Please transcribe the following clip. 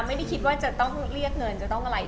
ไม่ได้คิดว่าจะต้องเรียกเงินจะต้องอะไร